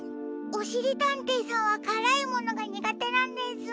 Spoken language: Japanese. おしりたんていさんはからいものがにがてなんです。